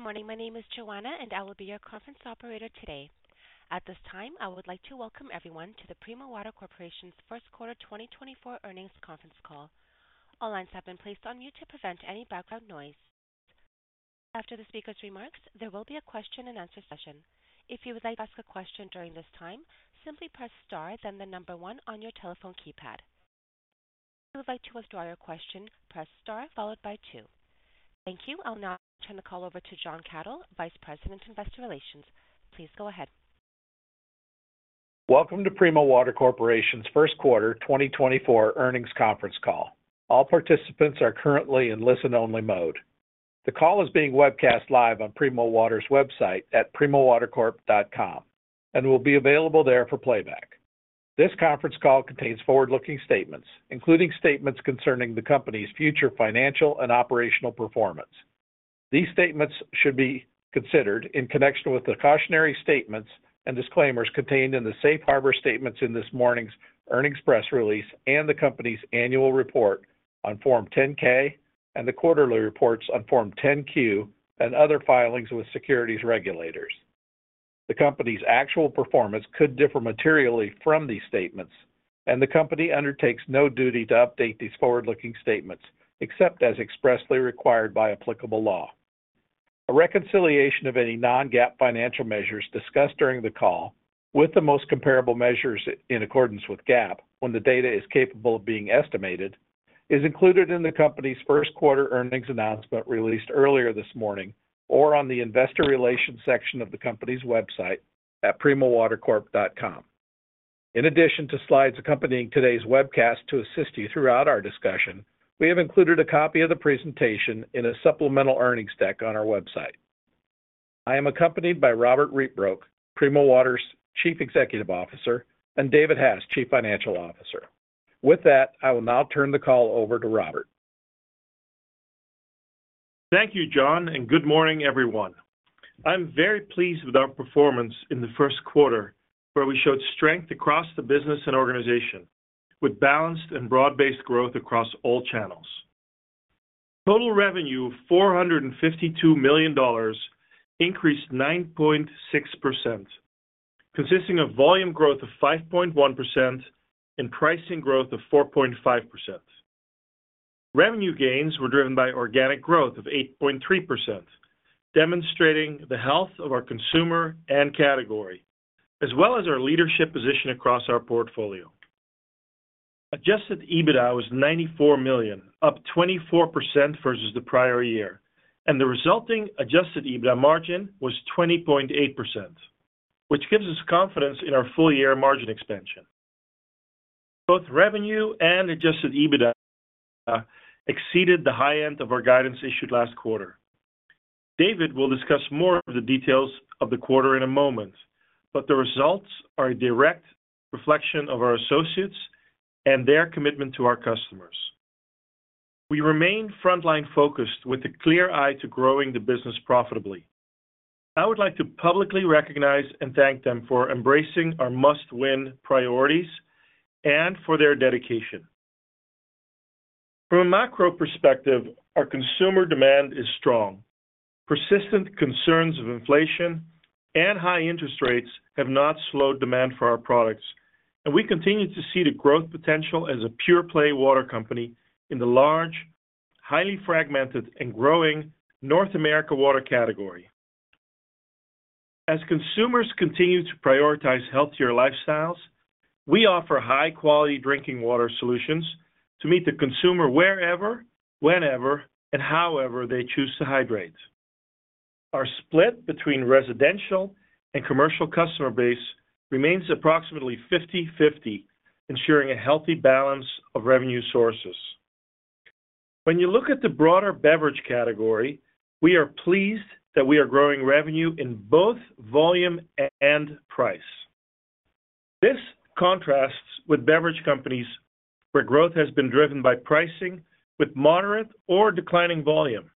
Good morning, my name is Joanna, and I will be your conference operator today. At this time, I would like to welcome everyone to the Primo Water Corporation's first quarter 2024 earnings conference call. All lines have been placed on mute to prevent any background noise. After the speaker's remarks, there will be a question-and-answer session. If you would like to ask a question during this time, simply press star, then the number one on your telephone keypad. If you would like to withdraw your question, press star followed by two. Thank you. I'll now turn the call over to Jon Kathol, Vice President Investor Relations. Please go ahead. Welcome to Primo Water Corporation's first quarter 2024 earnings conference call. All participants are currently in listen-only mode. The call is being webcast live on Primo Water's website at primowatercorp.com, and will be available there for playback. This conference call contains forward-looking statements, including statements concerning the company's future financial and operational performance. These statements should be considered in connection with the cautionary statements and disclaimers contained in the Safe Harbor Statements in this morning's earnings press release and the company's annual report on Form 10-K and the quarterly reports on Form 10-Q and other filings with securities regulators. The company's actual performance could differ materially from these statements, and the company undertakes no duty to update these forward-looking statements except as expressly required by applicable law. A reconciliation of any non-GAAP financial measures discussed during the call with the most comparable measures in accordance with GAAP, when the data is capable of being estimated, is included in the company's first quarter earnings announcement released earlier this morning or on the investor relations section of the company's website at primowatercorp.com. In addition to slides accompanying today's webcast to assist you throughout our discussion, we have included a copy of the presentation in a supplemental earnings deck on our website. I am accompanied by Robbert Rietbroek, Primo Water's Chief Executive Officer, and David Hass, Chief Financial Officer. With that, I will now turn the call over to Robbert. Thank you, Jon, and good morning, everyone. I'm very pleased with our performance in the first quarter, where we showed strength across the business and organization, with balanced and broad-based growth across all channels. Total revenue of $452 million increased 9.6%, consisting of volume growth of 5.1% and pricing growth of 4.5%. Revenue gains were driven by organic growth of 8.3%, demonstrating the health of our consumer and category, as well as our leadership position across our portfolio. Adjusted EBITDA was $94 million, up 24% versus the prior year, and the resulting adjusted EBITDA margin was 20.8%, which gives us confidence in our full-year margin expansion. Both revenue and adjusted EBITDA exceeded the high end of our guidance issued last quarter. David will discuss more of the details of the quarter in a moment, but the results are a direct reflection of our associates and their commitment to our customers. We remain frontline focused with a clear eye to growing the business profitably. I would like to publicly recognize and thank them for embracing our must-win priorities and for their dedication. From a macro perspective, our consumer demand is strong. Persistent concerns of inflation and high interest rates have not slowed demand for our products, and we continue to see the growth potential as a pure-play water company in the large, highly fragmented, and growing North America water category. As consumers continue to prioritize healthier lifestyles, we offer high-quality drinking water solutions to meet the consumer wherever, whenever, and however they choose to hydrate. Our split between residential and commercial customer base remains approximately 50/50, ensuring a healthy balance of revenue sources. When you look at the broader beverage category, we are pleased that we are growing revenue in both volume and price. This contrasts with beverage companies where growth has been driven by pricing with moderate or declining volume.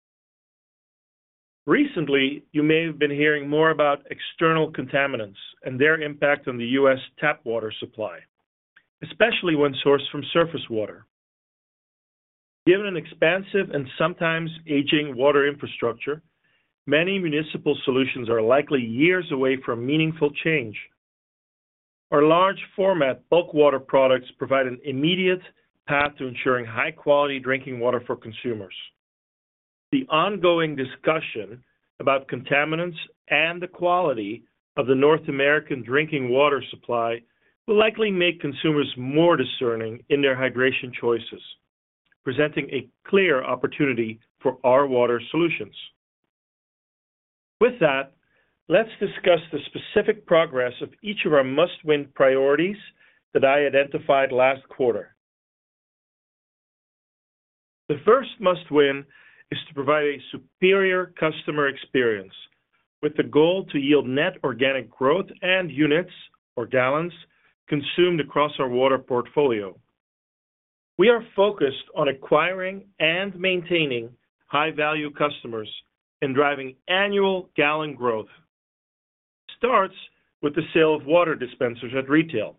Recently, you may have been hearing more about external contaminants and their impact on the U.S. tap water supply, especially when sourced from surface water. Given an expansive and sometimes aging water infrastructure, many municipal solutions are likely years away from meaningful change. Our large-format bulk water products provide an immediate path to ensuring high-quality drinking water for consumers. The ongoing discussion about contaminants and the quality of the North American drinking water supply will likely make consumers more discerning in their hydration choices, presenting a clear opportunity for our water solutions. With that, let's discuss the specific progress of each of our must-win priorities that I identified last quarter. The first must-win is to provide a superior customer experience, with the goal to yield net organic growth and units, or gallons, consumed across our water portfolio. We are focused on acquiring and maintaining high-value customers and driving annual gallon growth. Starts with the sale of water dispensers at retail,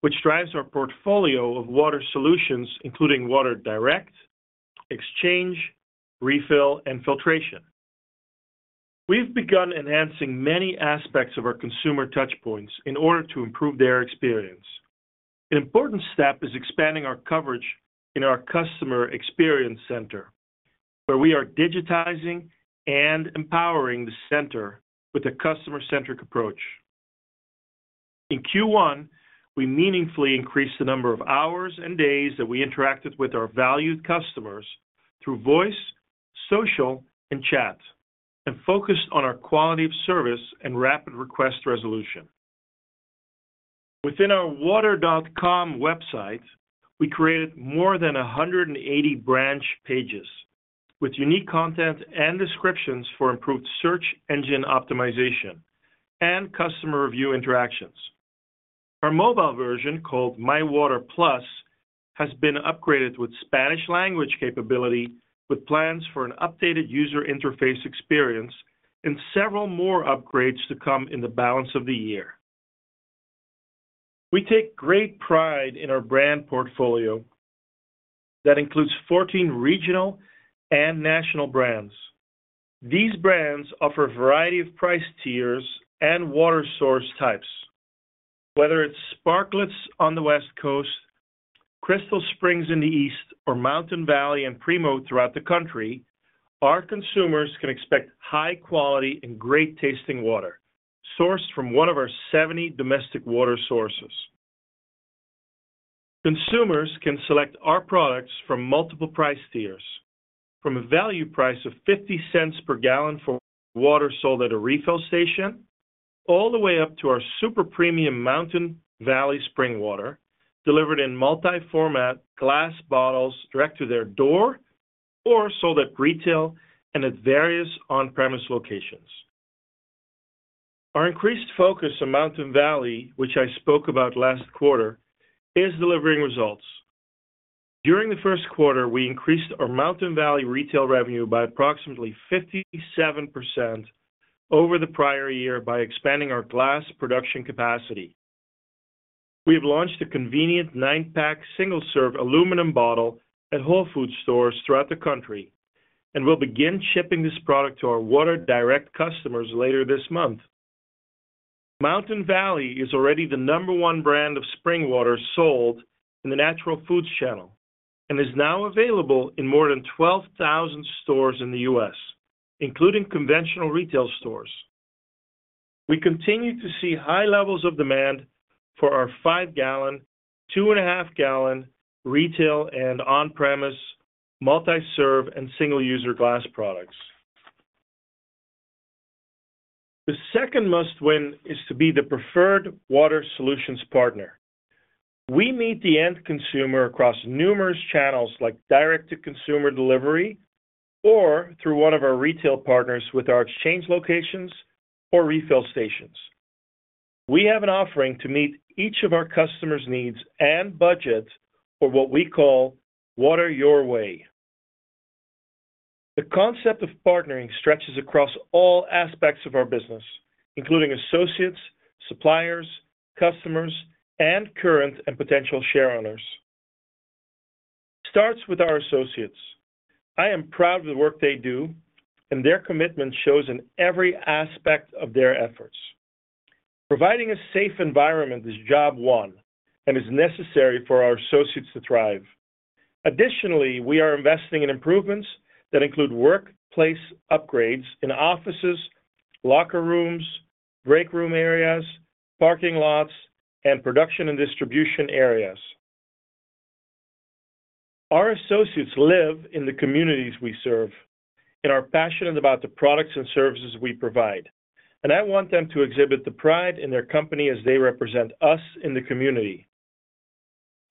which drives our portfolio of water solutions, including Water Direct, Exchange, Refill, and Filtration. We've begun enhancing many aspects of our consumer touchpoints in order to improve their experience. An important step is expanding our coverage in our customer experience center, where we are digitizing and empowering the center with a customer-centric approach. In Q1, we meaningfully increased the number of hours and days that we interacted with our valued customers through voice, social, and chat, and focused on our quality of service and rapid request resolution. Within our water.com website, we created more than 180 branch pages with unique content and descriptions for improved Search Engine Optimization and customer review interactions. Our mobile version, called My Water+, has been upgraded with Spanish language capability, with plans for an updated user interface experience and several more upgrades to come in the balance of the year. We take great pride in our brand portfolio that includes 14 regional and national brands. These brands offer a variety of price tiers and water source types. Whether it's Sparkletts on the West Coast, Crystal Springs in the East, or Mountain Valley and Primo throughout the country, our consumers can expect high-quality and great-tasting water sourced from one of our 70 domestic water sources. Consumers can select our products from multiple price tiers, from a value price of $0.50 per gallon for water sold at a refill station all the way up to our super premium Mountain Valley Spring Water, delivered in multi-format glass bottles direct to their door or sold at retail and at various on-premise locations. Our increased focus on Mountain Valley, which I spoke about last quarter, is delivering results. During the first quarter, we increased our Mountain Valley retail revenue by approximately 57% over the prior year by expanding our glass production capacity. We have launched a convenient nine-pack single-serve aluminum bottle at Whole Foods stores throughout the country and will begin shipping this product to our Water Direct customers later this month. Mountain Valley is already the number one brand of spring water sold in the natural foods channel and is now available in more than 12,000 stores in the U.S., including conventional retail stores. We continue to see high levels of demand for our 5-gallon, 2.5-gallon retail and on-premise multi-serve and single-user glass products. The second must-win is to be the preferred water solutions partner. We meet the end consumer across numerous channels like direct-to-consumer delivery or through one of our retail partners with our exchange locations or refill stations. We have an offering to meet each of our customers' needs and budget for what we call water your way. The concept of partnering stretches across all aspects of our business, including associates, suppliers, customers, and current and potential shareowners. Starts with our associates. I am proud of the work they do, and their commitment shows in every aspect of their efforts. Providing a safe environment is job one and is necessary for our associates to thrive. Additionally, we are investing in improvements that include workplace upgrades in offices, locker rooms, breakroom areas, parking lots, and production and distribution areas. Our associates live in the communities we serve, and are passionate about the products and services we provide, and I want them to exhibit the pride in their company as they represent us in the community.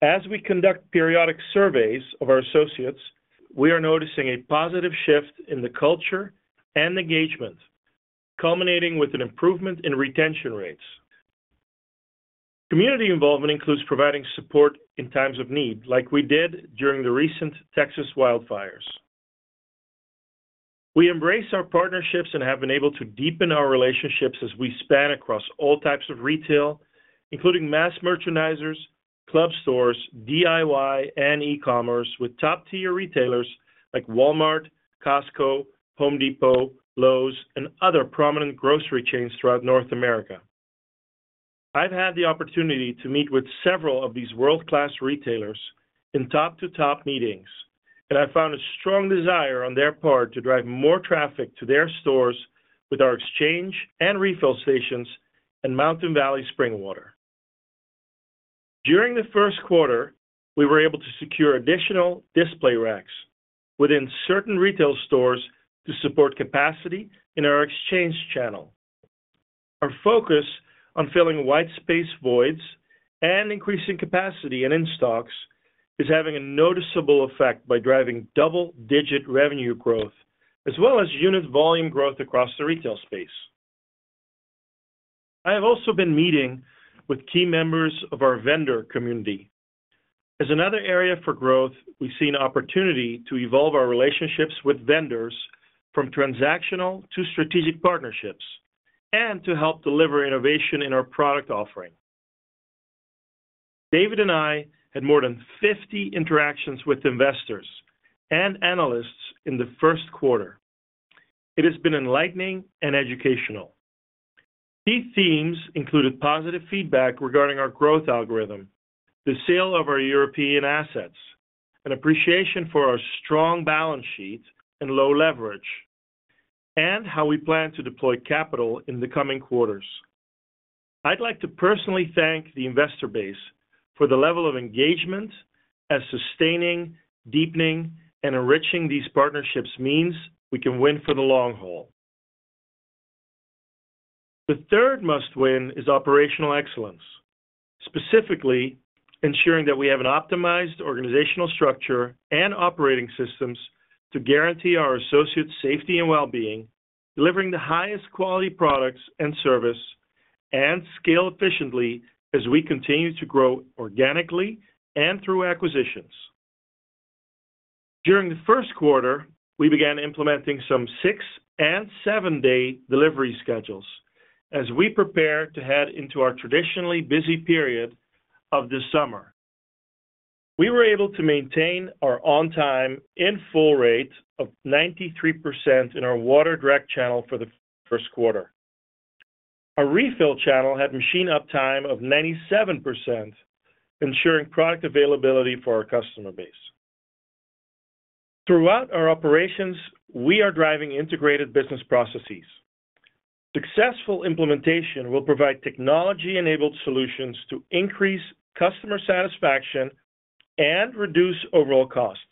As we conduct periodic surveys of our associates, we are noticing a positive shift in the culture and engagement, culminating with an improvement in retention rates. Community involvement includes providing support in times of need, like we did during the recent Texas wildfires. We embrace our partnerships and have been able to deepen our relationships as we span across all types of retail, including mass merchandisers, club stores, DIY, and e-commerce with top-tier retailers like Walmart, Costco, Home Depot, Lowe's, and other prominent grocery chains throughout North America. I've had the opportunity to meet with several of these world-class retailers in top-to-top meetings, and I've found a strong desire on their part to drive more traffic to their stores with our exchange and refill stations and Mountain Valley Spring Water. During the first quarter, we were able to secure additional display racks within certain retail stores to support capacity in our exchange channel. Our focus on filling white space voids and increasing capacity and in-stocks is having a noticeable effect by driving double-digit revenue growth as well as unit volume growth across the retail space. I have also been meeting with key members of our vendor community. As another area for growth, we've seen opportunity to evolve our relationships with vendors from transactional to strategic partnerships and to help deliver innovation in our product offering. David and I had more than 50 interactions with investors and analysts in the first quarter. It has been enlightening and educational. Key themes included positive feedback regarding our growth algorithm, the sale of our European assets, an appreciation for our strong balance sheet and low leverage, and how we plan to deploy capital in the coming quarters. I'd like to personally thank the investor base for the level of engagement as sustaining, deepening, and enriching these partnerships means we can win for the long haul. The third must-win is operational excellence, specifically ensuring that we have an optimized organizational structure and operating systems to guarantee our associates' safety and well-being, delivering the highest quality products and service, and scale efficiently as we continue to grow organically and through acquisitions. During the first quarter, we began implementing some 6- and 7-day delivery schedules as we prepared to head into our traditionally busy period of the summer. We were able to maintain our On-time In Full rate of 93% in our Water Direct channel for the first quarter. Our Water Refill channel had machine uptime of 97%, ensuring product availability for our customer base. Throughout our operations, we are driving integrated business processes. Successful implementation will provide technology-enabled solutions to increase customer satisfaction and reduce overall costs.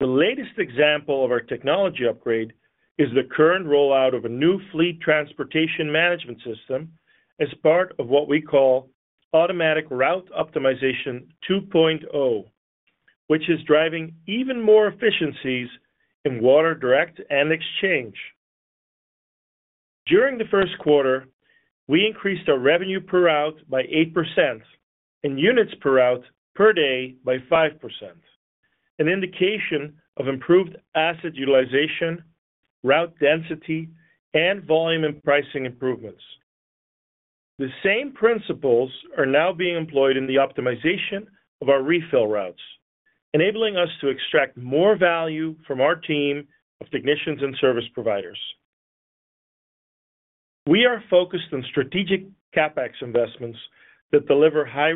The latest example of our technology upgrade is the current rollout of a new fleet transportation management system as part of what we call Automatic Route Optimization 2.0, which is driving even more efficiencies in Water Direct and Exchange. During the first quarter, we increased our revenue per route by 8% and units per route per day by 5%, an indication of improved asset utilization, route density, and volume and pricing improvements. The same principles are now being employed in the optimization of our refill routes, enabling us to extract more value from our team of technicians and service providers. We are focused on strategic CapEx investments that deliver high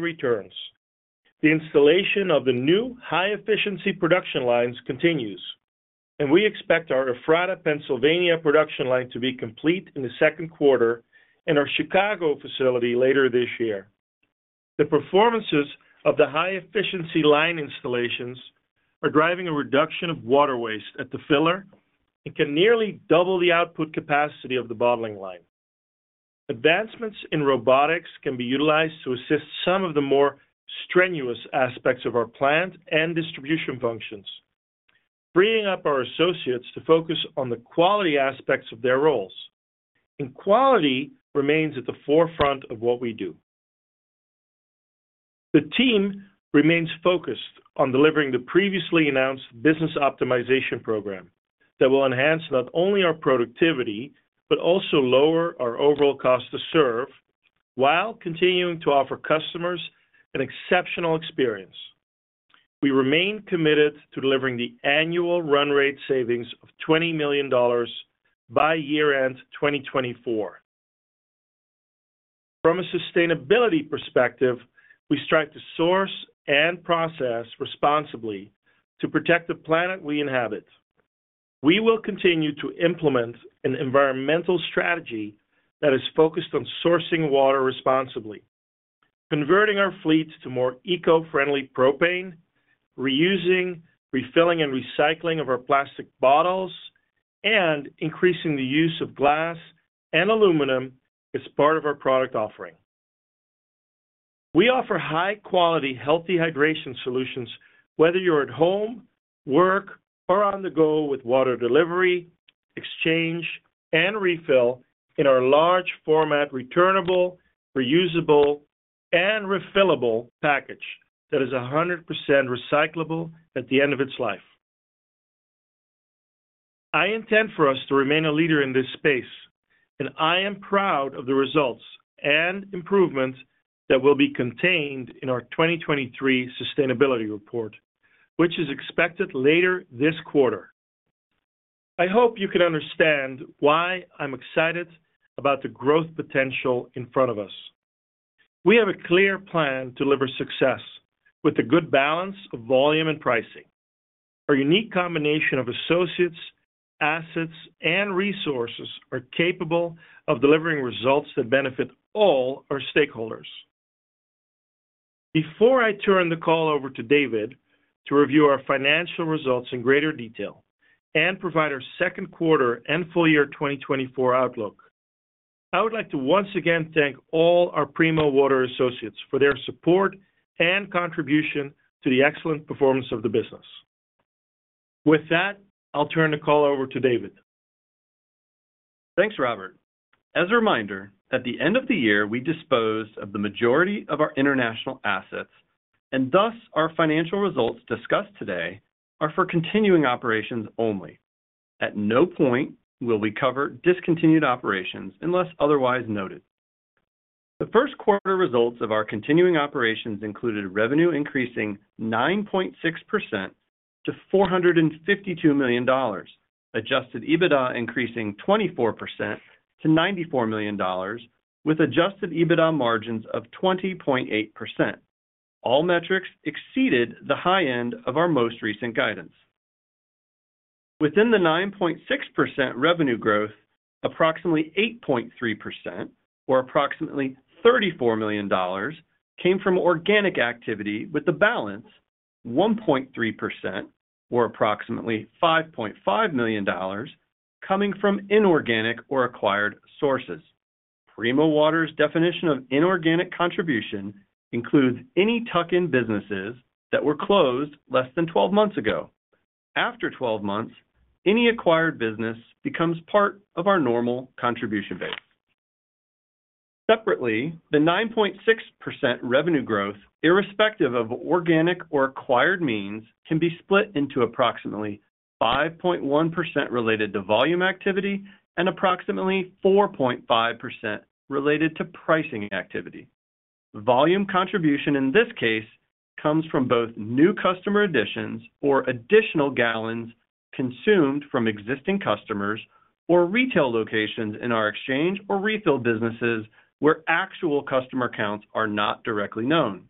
returns. The installation of the new high-efficiency production lines continues, and we expect our Ephrata, Pennsylvania, production line to be complete in the second quarter and our Chicago facility later this year. The performances of the high-efficiency line installations are driving a reduction of water waste at the filler and can nearly double the output capacity of the bottling line. Advancements in robotics can be utilized to assist some of the more strenuous aspects of our plant and distribution functions, freeing up our associates to focus on the quality aspects of their roles. Quality remains at the forefront of what we do. The team remains focused on delivering the previously announced business optimization program that will enhance not only our productivity but also lower our overall cost to serve while continuing to offer customers an exceptional experience. We remain committed to delivering the annual run rate savings of $20 million by year-end 2024. From a sustainability perspective, we strive to source and process responsibly to protect the planet we inhabit. We will continue to implement an environmental strategy that is focused on sourcing water responsibly, converting our fleet to more eco-friendly propane, reusing, refilling, and recycling of our plastic bottles, and increasing the use of glass and aluminum as part of our product offering. We offer high-quality, healthy hydration solutions, whether you're at home, work, or on the go, with water delivery, exchange, and refill in our large-format returnable, reusable, and refillable package that is 100% recyclable at the end of its life. I intend for us to remain a leader in this space, and I am proud of the results and improvements that will be contained in our 2023 sustainability report, which is expected later this quarter. I hope you can understand why I'm excited about the growth potential in front of us. We have a clear plan to deliver success with a good balance of volume and pricing. Our unique combination of associates, assets, and resources are capable of delivering results that benefit all our stakeholders. Before I turn the call over to David to review our financial results in greater detail and provide our second quarter and full year 2024 outlook, I would like to once again thank all our Primo Water associates for their support and contribution to the excellent performance of the business. With that, I'll turn the call over to David. Thanks, Robbert. As a reminder, at the end of the year, we disposed of the majority of our international assets, and thus our financial results discussed today are for continuing operations only. At no point will we cover discontinued operations unless otherwise noted. The first quarter results of our continuing operations included revenue increasing 9.6% to $452 million, adjusted EBITDA increasing 24% to $94 million, with adjusted EBITDA margins of 20.8%. All metrics exceeded the high end of our most recent guidance. Within the 9.6% revenue growth, approximately 8.3% or approximately $34 million came from organic activity, with the balance, 1.3% or approximately $5.5 million, coming from inorganic or acquired sources. Primo Water's definition of inorganic contribution includes any tuck-in businesses that were closed less than 12 months ago. After 12 months, any acquired business becomes part of our normal contribution base. Separately, the 9.6% revenue growth, irrespective of organic or acquired means, can be split into approximately 5.1% related to volume activity and approximately 4.5% related to pricing activity. Volume contribution, in this case, comes from both new customer additions or additional gallons consumed from existing customers or retail locations in our exchange or refill businesses where actual customer counts are not directly known.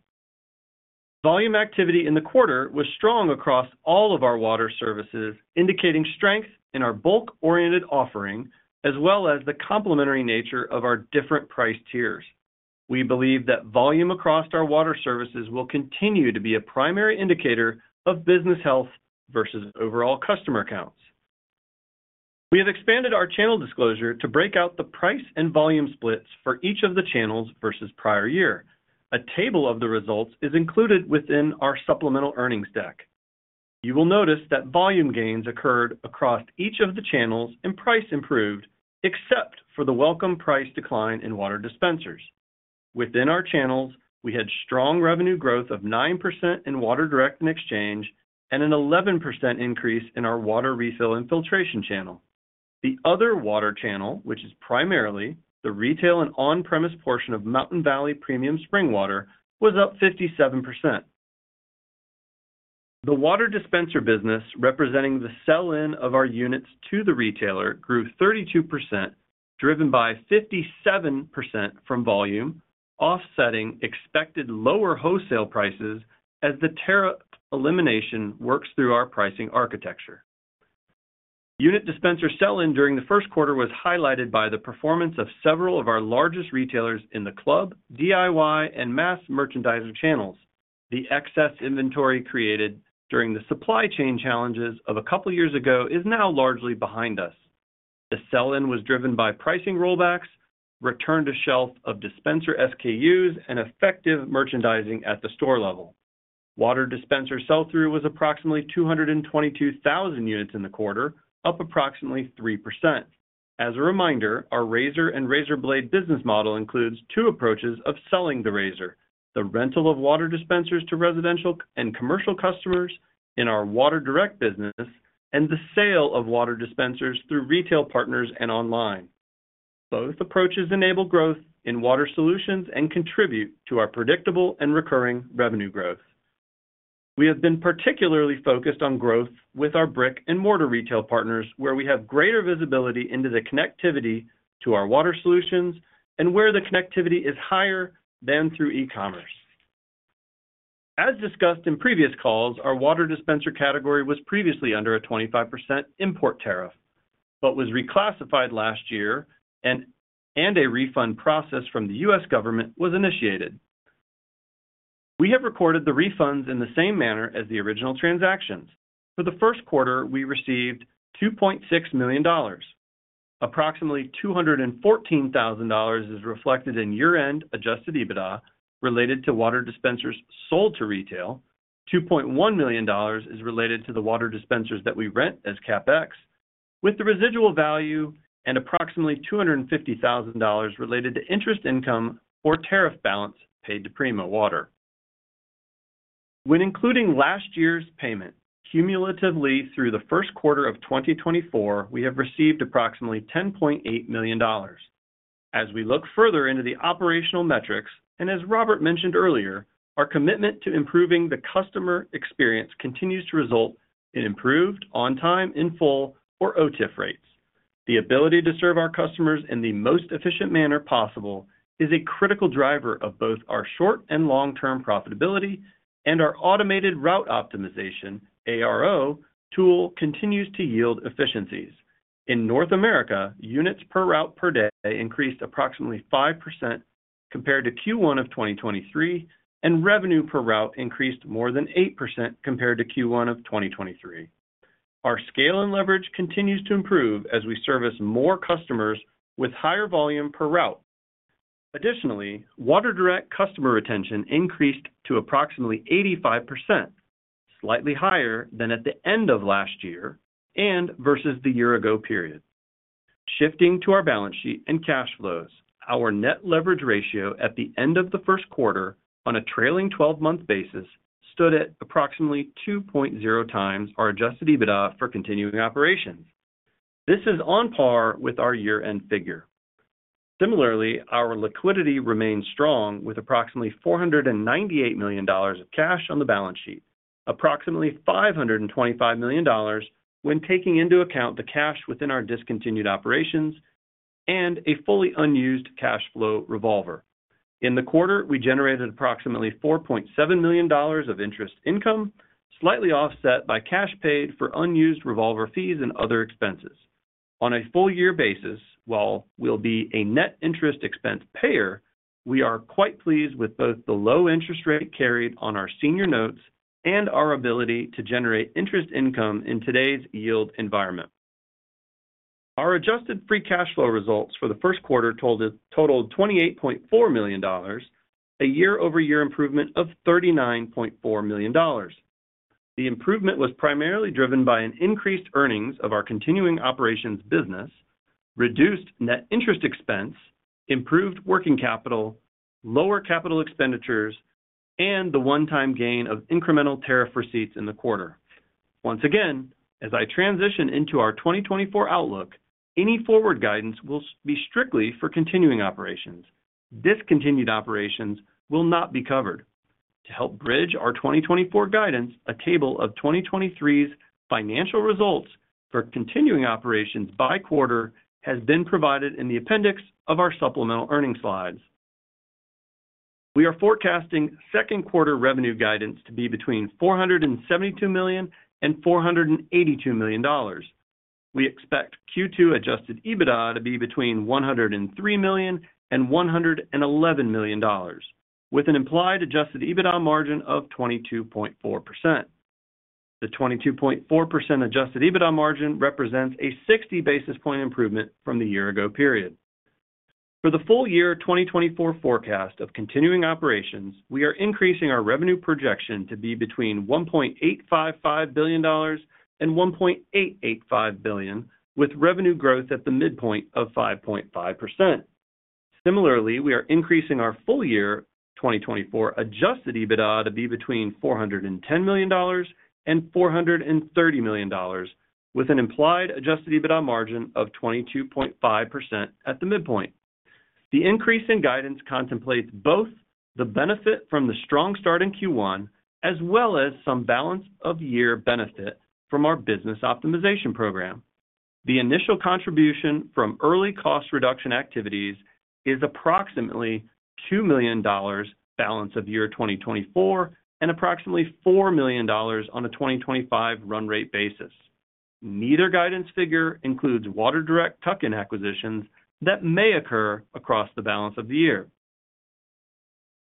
Volume activity in the quarter was strong across all of our water services, indicating strength in our bulk-oriented offering as well as the complementary nature of our different price tiers. We believe that volume across our water services will continue to be a primary indicator of business health versus overall customer counts. We have expanded our channel disclosure to break out the price and volume splits for each of the channels versus prior year. A table of the results is included within our supplemental earnings deck. You will notice that volume gains occurred across each of the channels and price improved, except for the welcome price decline in water dispensers. Within our channels, we had strong revenue growth of 9% in Water Direct and Exchange and an 11% increase in our Water Refill and Filtration channel. The other water channel, which is primarily the retail and on-premise portion of Mountain Valley Spring Water, was up 57%. The water dispenser business representing the sell-in of our units to the retailer grew 32%, driven by 57% from volume, offsetting expected lower wholesale prices as the tariff elimination works through our pricing architecture. Unit dispenser sell-in during the first quarter was highlighted by the performance of several of our largest retailers in the club, DIY, and mass merchandiser channels. The excess inventory created during the supply chain challenges of a couple of years ago is now largely behind us. The sell-in was driven by pricing rollbacks, return to shelf of dispenser SKUs, and effective merchandising at the store level. Water dispenser sell-through was approximately 222,000 units in the quarter, up approximately 3%. As a reminder, our Razor and Razor Blade business model includes two approaches of selling the Razor: the rental of water dispensers to residential and commercial customers in our Water Direct business and the sale of water dispensers through retail partners and online. Both approaches enable growth in water solutions and contribute to our predictable and recurring revenue growth. We have been particularly focused on growth with our brick and mortar retail partners, where we have greater visibility into the connectivity to our water solutions and where the connectivity is higher than through e-commerce. As discussed in previous calls, our water dispenser category was previously under a 25% import tariff but was reclassified last year, and a refund process from the U.S. government was initiated. We have recorded the refunds in the same manner as the original transactions. For the first quarter, we received $2.6 million. Approximately $214,000 is reflected in year-end adjusted EBITDA related to water dispensers sold to retail, $2.1 million is related to the water dispensers that we rent as CapEx, with the residual value and approximately $250,000 related to interest income or tariff balance paid to Primo Water. When including last year's payment, cumulatively through the first quarter of 2024, we have received approximately $10.8 million. As we look further into the operational metrics and, as Robbert mentioned earlier, our commitment to improving the customer experience continues to result in improved on-time in full, or OTIF rates. The ability to serve our customers in the most efficient manner possible is a critical driver of both our short and long-term profitability, and our Automated Route Optimization (ARO) tool continues to yield efficiencies. In North America, units per route per day increased approximately 5% compared to Q1 of 2023, and revenue per route increased more than 8% compared to Q1 of 2023. Our scale and leverage continues to improve as we service more customers with higher volume per route. Additionally, Water Direct customer retention increased to approximately 85%, slightly higher than at the end of last year and versus the year-ago period. Shifting to our balance sheet and cash flows, our net leverage ratio at the end of the first quarter on a trailing 12-month basis stood at approximately 2.0 times our adjusted EBITDA for continuing operations. This is on par with our year-end figure. Similarly, our liquidity remains strong with approximately $498 million of cash on the balance sheet, approximately $525 million when taking into account the cash within our discontinued operations, and a fully unused cash flow revolver. In the quarter, we generated approximately $4.7 million of interest income, slightly offset by cash paid for unused revolver fees and other expenses. On a full-year basis, while we'll be a net interest expense payer, we are quite pleased with both the low interest rate carried on our senior notes and our ability to generate interest income in today's yield environment. Our adjusted free cash flow results for the first quarter totaled $28.4 million, a year-over-year improvement of $39.4 million. The improvement was primarily driven by an increased earnings of our continuing operations business, reduced net interest expense, improved working capital, lower capital expenditures, and the one-time gain of incremental tariff receipts in the quarter. Once again, as I transition into our 2024 outlook, any forward guidance will be strictly for continuing operations. Discontinued operations will not be covered. To help bridge our 2024 guidance, a table of 2023's financial results for continuing operations by quarter has been provided in the appendix of our supplemental earnings slides. We are forecasting second quarter revenue guidance to be between $472 million-$482 million. We expect Q2 adjusted EBITDA to be between $103 million-$111 million, with an implied adjusted EBITDA margin of 22.4%. The 22.4% adjusted EBITDA margin represents a 60 basis point improvement from the year-ago period. For the full year 2024 forecast of continuing operations, we are increasing our revenue projection to be between $1.855 billion-$1.885 billion, with revenue growth at the midpoint of 5.5%. Similarly, we are increasing our full year 2024 adjusted EBITDA to be between $410 million-$430 million, with an implied adjusted EBITDA margin of 22.5% at the midpoint. The increase in guidance contemplates both the benefit from the strong start in Q1 as well as some balance-of-year benefit from our Business Optimization Program. The initial contribution from early cost reduction activities is approximately $2 million balance of year 2024 and approximately $4 million on a 2025 run-rate basis. Neither guidance figure includes Water Direct tuck-in acquisitions that may occur across the balance of the year.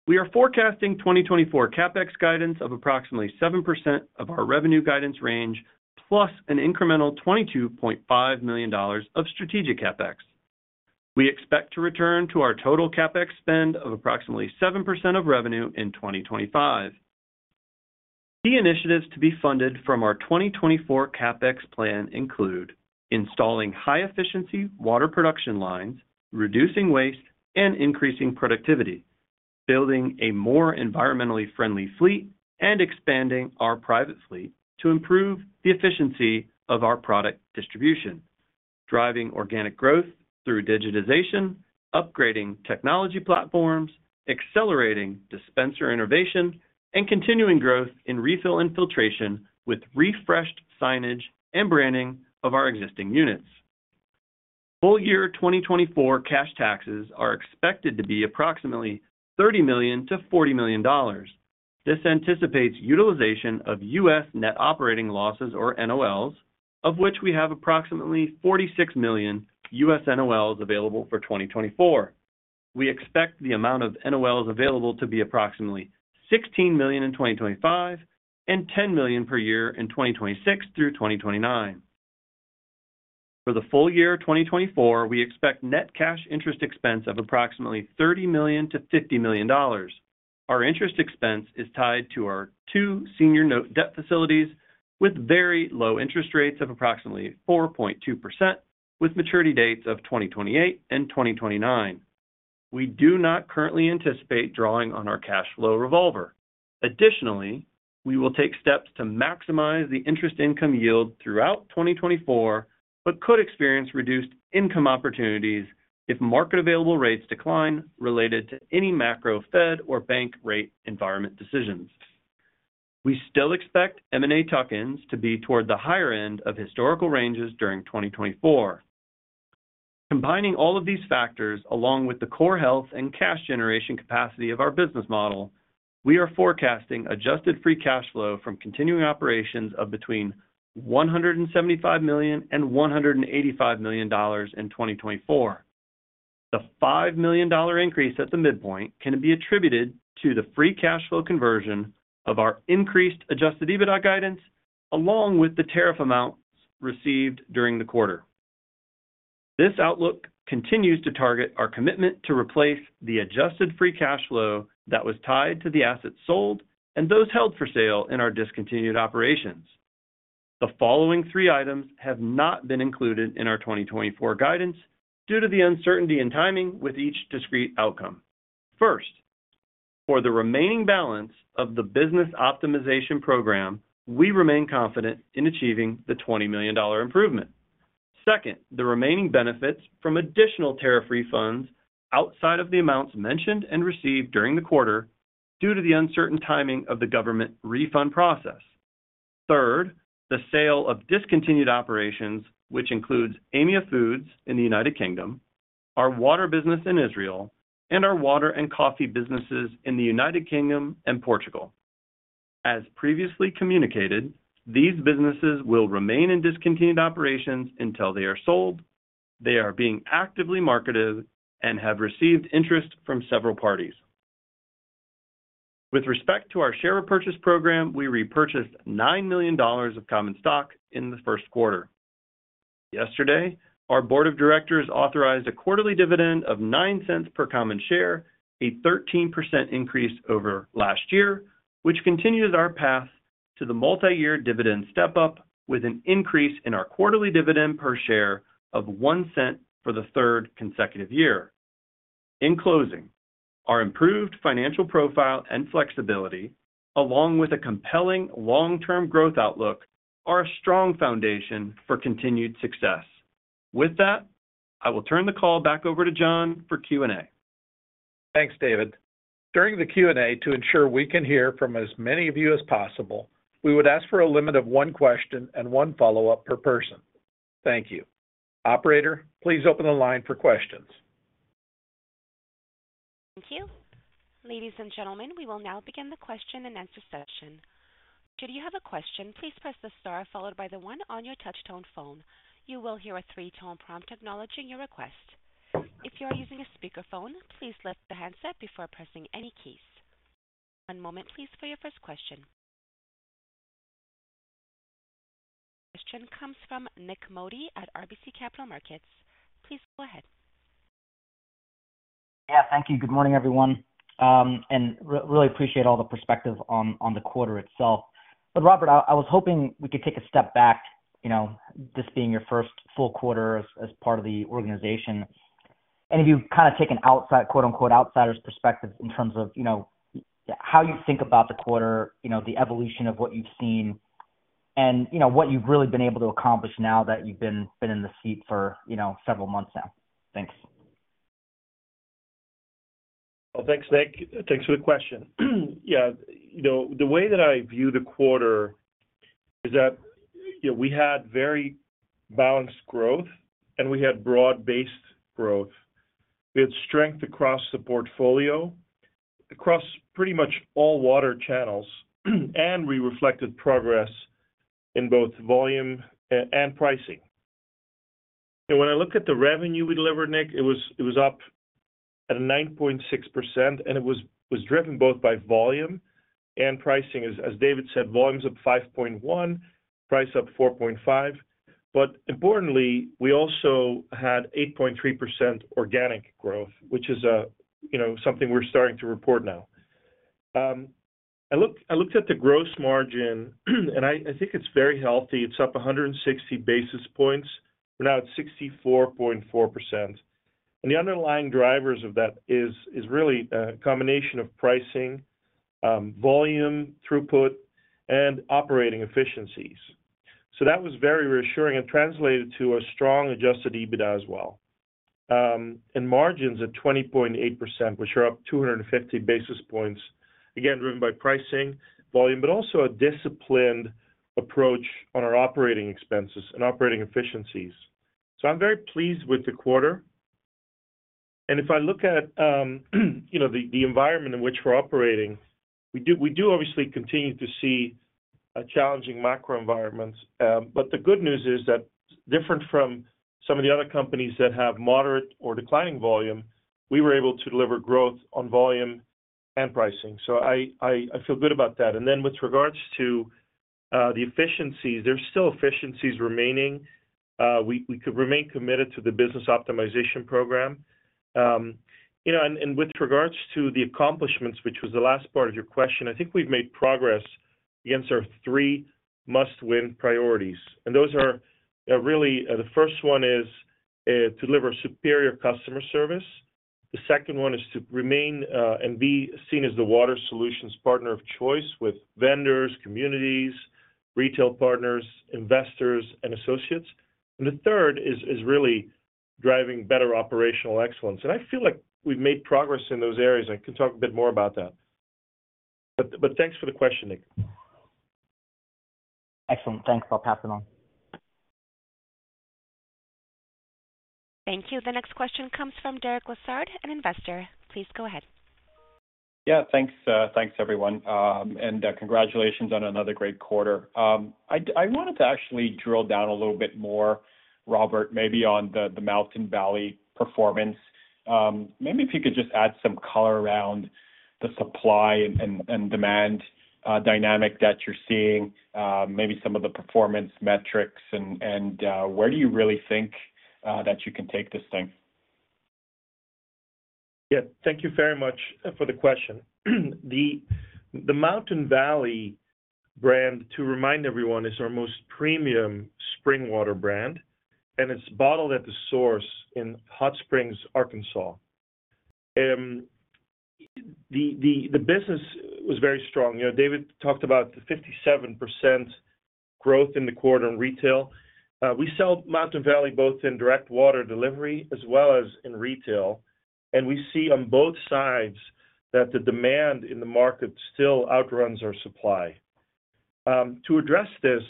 We are forecasting 2024 CapEx guidance of approximately 7% of our revenue guidance range plus an incremental $22.5 million of strategic CapEx. We expect to return to our total CapEx spend of approximately 7% of revenue in 2025. Key initiatives to be funded from our 2024 CapEx plan include: installing high-efficiency water production lines, reducing waste and increasing productivity, building a more environmentally friendly fleet, and expanding our private fleet to improve the efficiency of our product distribution, driving organic growth through digitization, upgrading technology platforms, accelerating dispenser innovation, and continuing growth in refill and filtration with refreshed signage and branding of our existing units. Full year 2024 cash taxes are expected to be approximately $30 million-$40 million. This anticipates utilization of U.S. net operating losses or NOLs, of which we have approximately 46 million U.S. NOLs available for 2024. We expect the amount of NOLs available to be approximately 16 million in 2025 and 10 million per year in 2026 through 2029. For the full year 2024, we expect net cash interest expense of approximately $30 million-$50 million. Our interest expense is tied to our two senior note debt facilities, with very low interest rates of approximately 4.2%, with maturity dates of 2028 and 2029. We do not currently anticipate drawing on our cash flow revolver. Additionally, we will take steps to maximize the interest income yield throughout 2024 but could experience reduced income opportunities if market available rates decline related to any macro Fed or bank rate environment decisions. We still expect M&A tuck-ins to be toward the higher end of historical ranges during 2024. Combining all of these factors along with the core health and cash generation capacity of our business model, we are forecasting adjusted free cash flow from continuing operations of between $175 million and $185 million in 2024. The $5 million increase at the midpoint can be attributed to the free cash flow conversion of our increased adjusted EBITDA guidance along with the tariff amounts received during the quarter. This outlook continues to target our commitment to replace the adjusted free cash flow that was tied to the assets sold and those held for sale in our discontinued operations. The following three items have not been included in our 2024 guidance due to the uncertainty in timing with each discrete outcome. First, for the remaining balance of the Business Optimization Program, we remain confident in achieving the $20 million improvement. Second, the remaining benefits from additional tariff refunds outside of the amounts mentioned and received during the quarter due to the uncertain timing of the government refund process. Third, the sale of discontinued operations, which includes Aimia Foods in the United Kingdom, our water business in Israel, and our water and coffee businesses in the United Kingdom and Portugal. As previously communicated, these businesses will remain in discontinued operations until they are sold, they are being actively marketed, and have received interest from several parties. With respect to our share repurchase program, we repurchased $9 million of common stock in the first quarter. Yesterday, our board of directors authorized a quarterly dividend of $0.09 per common share, a 13% increase over last year, which continues our path to the multi-year dividend step-up with an increase in our quarterly dividend per share of $0.01 for the third consecutive year. In closing, our improved financial profile and flexibility, along with a compelling long-term growth outlook, are a strong foundation for continued success. With that, I will turn the call back over to Jon for Q&A. Thanks, David. During the Q&A, to ensure we can hear from as many of you as possible, we would ask for a limit of one question and one follow-up per person. Thank you. Operator, please open the line for questions. Thank you. Ladies and gentlemen, we will now begin the question and answer session. Should you have a question, please press the star followed by the 1 on your touch-tone phone. You will hear a three-tone prompt acknowledging your request. If you are using a speakerphone, please lift the handset before pressing any keys. One moment, please, for your first question. The question comes from Nik Modi at RBC Capital Markets. Please go ahead. Yeah, thank you. Good morning, everyone. And really appreciate all the perspective on the quarter itself. But Robbert, I was hoping we could take a step back, this being your first full quarter as part of the organization. And have you kind of taken outside "outsiders" perspectives in terms of how you think about the quarter, the evolution of what you've seen, and what you've really been able to accomplish now that you've been in the seat for several months now? Thanks. Well, thanks, Nik. Thanks for the question. Yeah, the way that I view the quarter is that we had very balanced growth, and we had broad-based growth. We had strength across the portfolio, across pretty much all water channels, and we reflected progress in both volume and pricing. When I look at the revenue we delivered, Nik, it was up at 9.6%, and it was driven both by volume and pricing. As David said, volume's up 5.1%, price up 4.5%. Importantly, we also had 8.3% organic growth, which is something we're starting to report now. I looked at the gross margin, and I think it's very healthy. It's up 160 basis points. We're now at 64.4%. The underlying drivers of that is really a combination of pricing, volume, throughput, and operating efficiencies. That was very reassuring and translated to a strong adjusted EBITDA as well. Margins at 20.8%, which are up 250 basis points, again, driven by pricing, volume, but also a disciplined approach on our operating expenses and operating efficiencies. I'm very pleased with the quarter. If I look at the environment in which we're operating, we do obviously continue to see challenging macro environments. But the good news is that, different from some of the other companies that have moderate or declining volume, we were able to deliver growth on volume and pricing. So I feel good about that. And then with regards to the efficiencies, there's still efficiencies remaining. We could remain committed to the business optimization program. And with regards to the accomplishments, which was the last part of your question, I think we've made progress against our three must-win priorities. And those are really the first one is to deliver superior customer service. The second one is to remain and be seen as the water solutions partner of choice with vendors, communities, retail partners, investors, and associates. And the third is really driving better operational excellence. And I feel like we've made progress in those areas. I can talk a bit more about that. But thanks for the question, Nik. Excellent. Thanks for passing on. Thank you. The next question comes from Derek Lessard, an investor. Please go ahead. Yeah, thanks, everyone. Congratulations on another great quarter. I wanted to actually drill down a little bit more, Robbert, maybe on the Mountain Valley performance. Maybe if you could just add some color around the supply and demand dynamic that you're seeing, maybe some of the performance metrics, and where do you really think that you can take this thing? Yeah, thank you very much for the question. The Mountain Valley brand, to remind everyone, is our most premium spring water brand, and it's bottled at the source in Hot Springs, Arkansas. The business was very strong. David talked about the 57% growth in the quarter in retail. We sell Mountain Valley both in direct water delivery as well as in retail. We see on both sides that the demand in the market still outruns our supply. To address this,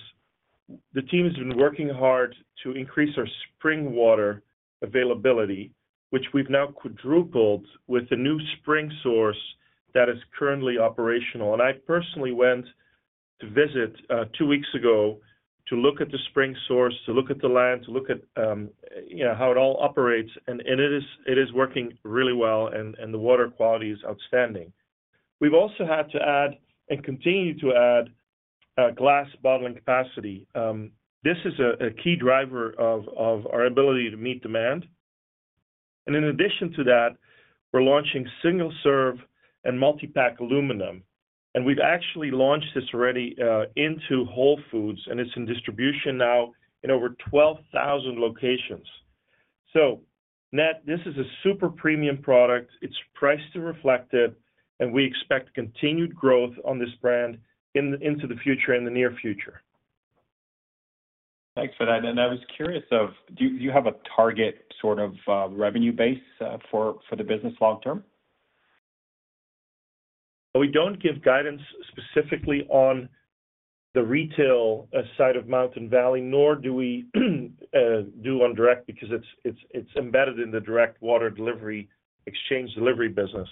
the team's been working hard to increase our spring water availability, which we've now quadrupled with a new spring source that is currently operational. I personally went to visit two weeks ago to look at the spring source, to look at the land, to look at how it all operates. It is working really well, and the water quality is outstanding. We've also had to add and continue to add glass bottling capacity. This is a key driver of our ability to meet demand. In addition to that, we're launching single-serve and multi-pack aluminum. We've actually launched this already into Whole Foods, and it's in distribution now in over 12,000 locations. So net, this is a super premium product. It's priced and reflected, and we expect continued growth on this brand into the future and the near future. Thanks for that. And I was curious of, do you have a target sort of revenue base for the business long term? We don't give guidance specifically on the retail side of Mountain Valley, nor do we do on direct because it's embedded in the direct water delivery exchange delivery business.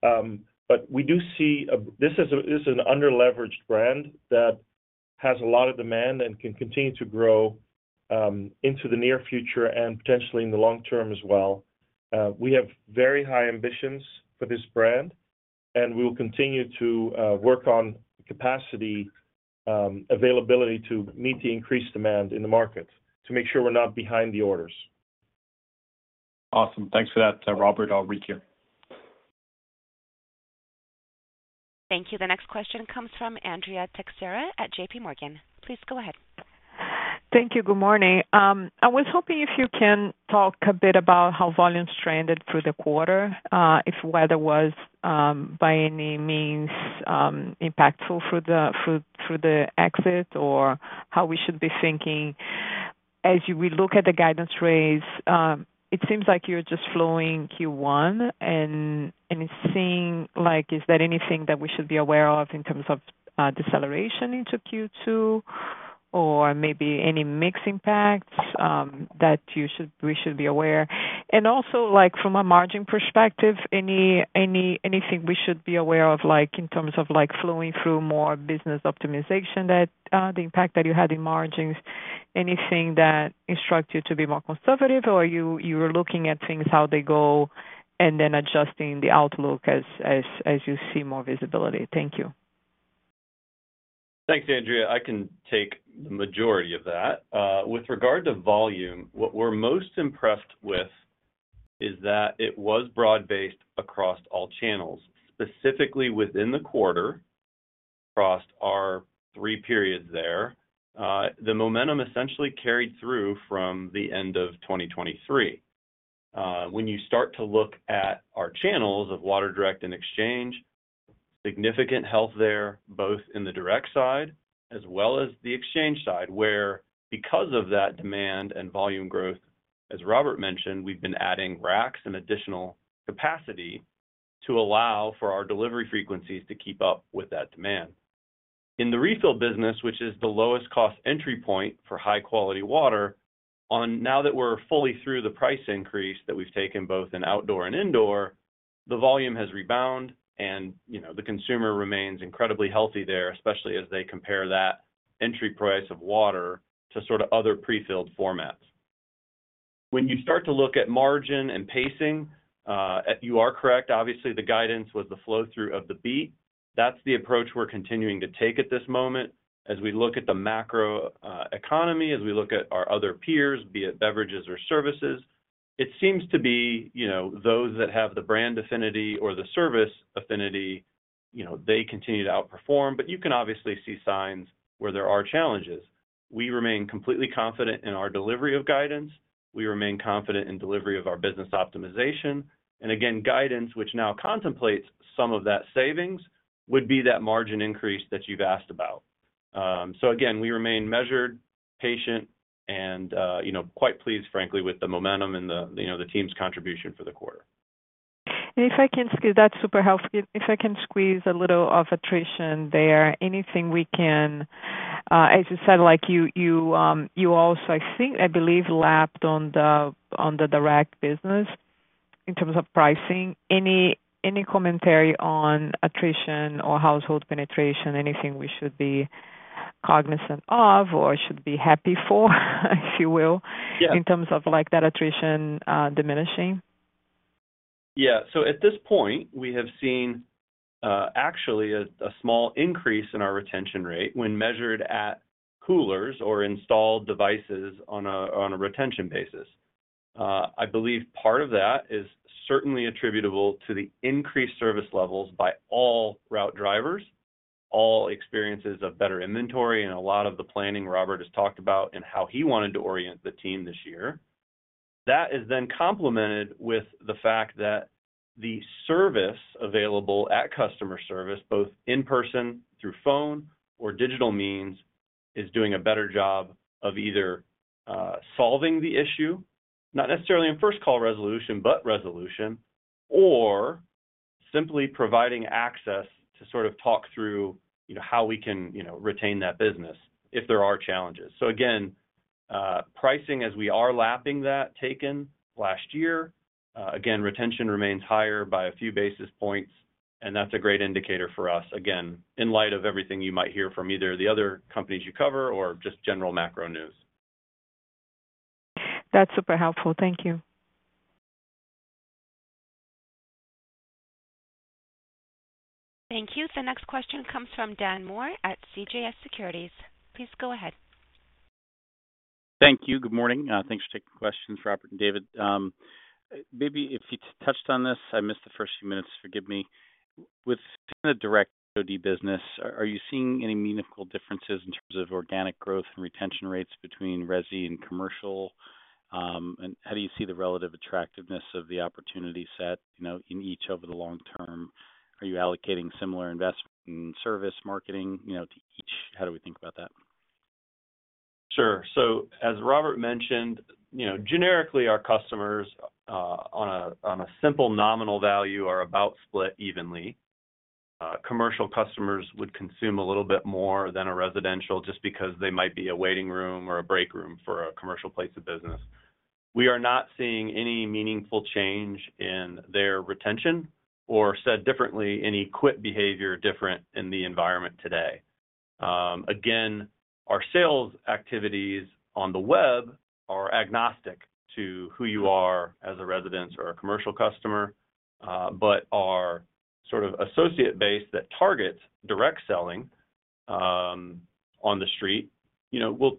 But we do see this is an underleveraged brand that has a lot of demand and can continue to grow into the near future and potentially in the long term as well. We have very high ambitions for this brand, and we will continue to work on capacity availability to meet the increased demand in the market to make sure we're not behind the orders. Awesome. Thanks for that, Robbert. I'll read here. Thank you. The next question comes from Andrea Teixeira at JPMorgan. Please go ahead. Thank you. Good morning. I was hoping if you can talk a bit about how volume trended through the quarter, if weather was by any means impactful through the quarter, or how we should be thinking. As we look at the guidance raise, it seems like you're just flowing Q1, and it seems like is there anything that we should be aware of in terms of deceleration into Q2, or maybe any mix impacts that we should be aware? And also, from a margin perspective, anything we should be aware of in terms of flowing through more business optimization, the impact that you had in margins, anything that instructs you to be more conservative, or you're looking at things, how they go, and then adjusting the outlook as you see more visibility? Thank you. Thanks, Andrea. I can take the majority of that. With regard to volume, what we're most impressed with is that it was broad-based across all channels. Specifically within the quarter, across our three periods there, the momentum essentially carried through from the end of 2023. When you start to look at our channels of Water Direct and Water Exchange, significant health there, both in the direct side as well as the exchange side, where because of that demand and volume growth, as Robbert mentioned, we've been adding racks and additional capacity to allow for our delivery frequencies to keep up with that demand. In the refill business, which is the lowest cost entry point for high-quality water, now that we're fully through the price increase that we've taken both in outdoor and indoor, the volume has rebound, and the consumer remains incredibly healthy there, especially as they compare that entry price of water to sort of other prefilled formats. When you start to look at margin and pacing, you are correct. Obviously, the guidance was the flow-through of the beat. That's the approach we're continuing to take at this moment. As we look at the macro economy, as we look at our other peers, be it beverages or services, it seems to be those that have the brand affinity or the service affinity, they continue to outperform. But you can obviously see signs where there are challenges. We remain completely confident in our delivery of guidance. We remain confident in delivery of our business optimization. And again, guidance, which now contemplates some of that savings, would be that margin increase that you've asked about. So again, we remain measured, patient, and quite pleased, frankly, with the momentum and the team's contribution for the quarter. And if I can squeeze, that's super helpful. If I can squeeze a little of attrition there, anything we can, as you said, you also, I believe, lapped on the direct business in terms of pricing. Any commentary on attrition or household penetration, anything we should be cognizant of or should be happy for, if you will, in terms of that attrition diminishing? Yeah. So at this point, we have seen, actually, a small increase in our retention rate when measured at coolers or installed devices on a retention basis. I believe part of that is certainly attributable to the increased service levels by all route drivers, all experiences of better inventory, and a lot of the planning Robbert has talked about and how he wanted to orient the team this year. That is then complemented with the fact that the service available at customer service, both in person, through phone, or digital means, is doing a better job of either solving the issue, not necessarily in first call resolution, but resolution, or simply providing access to sort of talk through how we can retain that business if there are challenges. So again, pricing, as we are lapping that taken last year, again, retention remains higher by a few basis points, and that's a great indicator for us, again, in light of everything you might hear from either the other companies you cover or just general macro news. That's super helpful. Thank you. Thank you. The next question comes from Dan Moore at CJS Securities. Please go ahead. Thank you. Good morning. Thanks for taking questions, Robbert and David. Maybe if you touched on this, I missed the first few minutes. Forgive me. With the direct OD business, are you seeing any meaningful differences in terms of organic growth and retention rates between resi and commercial? And how do you see the relative attractiveness of the opportunity set in each over the long term? Are you allocating similar investment in service, marketing to each? How do we think about that? Sure. So as Robbert mentioned, generically, our customers on a simple nominal value are about split evenly. Commercial customers would consume a little bit more than a residential just because they might be a waiting room or a break room for a commercial place of business. We are not seeing any meaningful change in their retention or, said differently, any quit behavior different in the environment today. Again, our sales activities on the web are agnostic to who you are as a residence or a commercial customer, but our sort of associate base that targets direct selling on the street will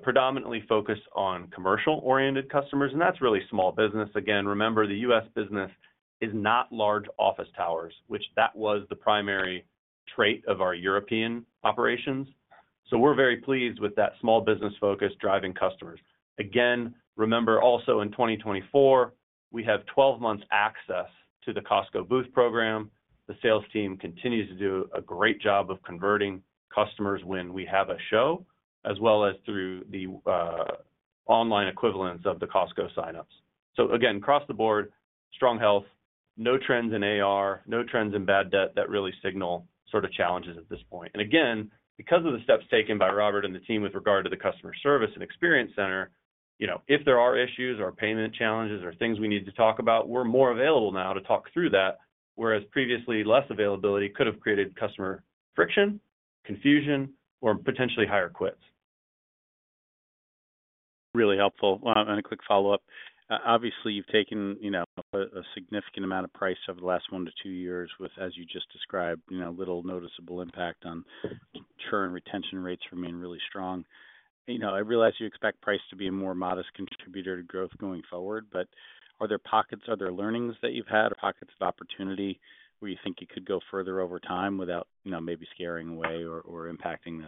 predominantly focus on commercial-oriented customers. That's really small business. Again, remember, the U.S. business is not large office towers, which that was the primary trait of our European operations. So we're very pleased with that small business focus driving customers. Again, remember, also in 2024, we have 12 months access to the Costco booth program. The sales team continues to do a great job of converting customers when we have a show, as well as through the online equivalents of the Costco signups. Again, across the board, strong health, no trends in AR, no trends in bad debt that really signal sort of challenges at this point. Again, because of the steps taken by Robbert and the team with regard to the customer service and experience center, if there are issues or payment challenges or things we need to talk about, we're more available now to talk through that, whereas previously, less availability could have created customer friction, confusion, or potentially higher quits. Really helpful. A quick follow-up. Obviously, you've taken a significant amount of price over the last 1-2 years with, as you just described, little noticeable impact on churn retention rates remaining really strong. I realize you expect price to be a more modest contributor to growth going forward, but are there learnings that you've had or pockets of opportunity where you think you could go further over time without maybe scaring away or impacting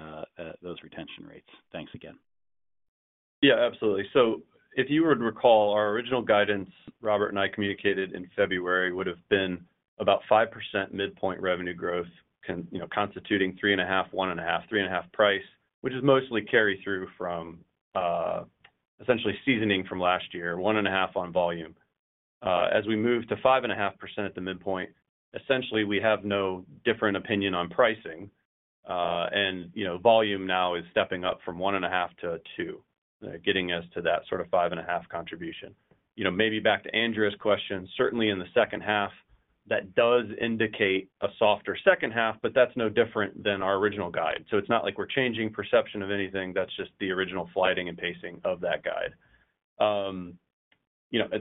those retention rates? Thanks again. Yeah, absolutely. So if you would recall, our original guidance Robbert and I communicated in February would have been about 5% midpoint revenue growth constituting 3.5%, 1.5%, 3.5% price, which is mostly carry-through from essentially seasoning from last year, 1.5% on volume. As we move to 5.5% at the midpoint, essentially, we have no different opinion on pricing. And volume now is stepping up from 1.5%-2%, getting us to that sort of 5.5% contribution. Maybe back to Andrea's question, certainly in the second half, that does indicate a softer second half, but that's no different than our original guide. It's not like we're changing perception of anything. That's just the original flighting and pacing of that guide.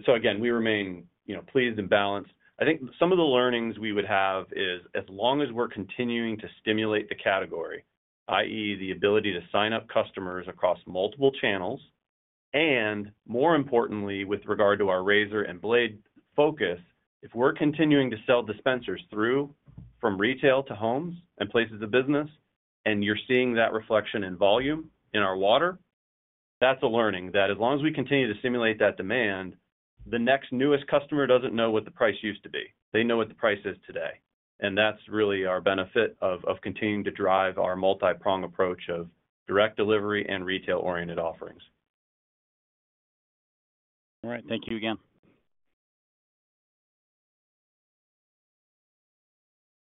Again, we remain pleased and balanced. I think some of the learnings we would have is as long as we're continuing to stimulate the category, i.e., the ability to sign up customers across multiple channels, and more importantly, with regard to our razor and blade focus, if we're continuing to sell dispensers from retail to homes and places of business, and you're seeing that reflection in volume in our water, that's a learning that as long as we continue to stimulate that demand, the next newest customer doesn't know what the price used to be. They know what the price is today. And that's really our benefit of continuing to drive our multi-prong approach of direct delivery and retail-oriented offerings. All right. Thank you again.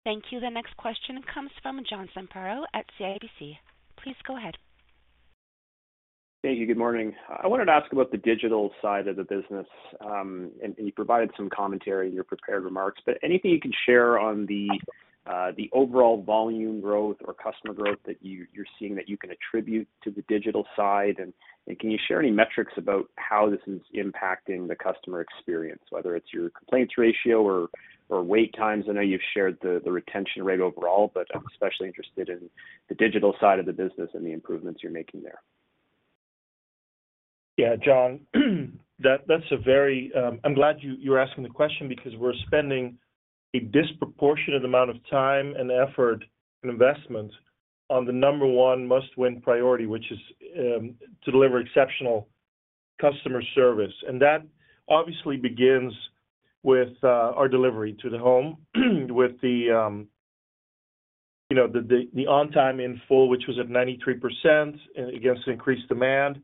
Thank you. The next question comes from John Zamparo at CIBC. Please go ahead. Thank you. Good morning. I wanted to ask about the digital side of the business. And you provided some commentary in your prepared remarks, but anything you can share on the overall volume growth or customer growth that you're seeing that you can attribute to the digital side? And can you share any metrics about how this is impacting the customer experience, whether it's your complaints ratio or wait times? I know you've shared the retention rate overall, but I'm especially interested in the digital side of the business and the improvements you're making there. Yeah, John, I'm glad you were asking the question because we're spending a disproportionate amount of time and effort and investment on the number one must-win priority, which is to deliver exceptional customer service. And that obviously begins with our delivery to the home, with the on-time in full, which was at 93% against increased demand.